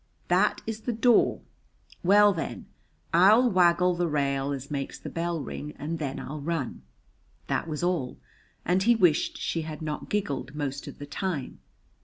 "That is the door. Well, then, I'll waggle the rail as makes the bell ring, and then I'll run." That was all, and he wished she had not giggled most of the time.